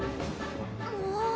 もう。